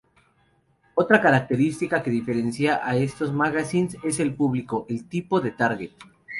Otra característica que diferencia a estos magazines es el público, el tipo de Target.